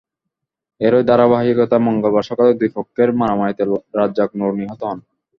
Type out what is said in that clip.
এরই ধারাবাহিকতায় মঙ্গলবার সকালে দুই পক্ষের মারামারিতে রাজ্জাক নূর নিহত হন।